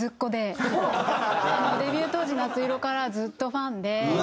デビュー当時『夏色』からずっとファンで。